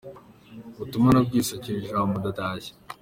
Ubutumwa nabwise : Akira Ijambo ndatashye”.